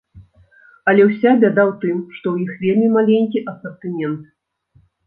Але ўся бяда ў тым, што ў іх вельмі маленькі асартымент.